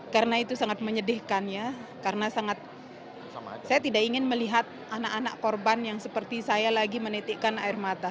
karena itu sangat menyedihkan ya karena sangat saya tidak ingin melihat anak anak korban yang seperti saya lagi menetikkan air mata